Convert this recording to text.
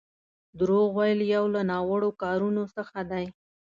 دروغ ويل يو له ناوړو کارونو څخه دی.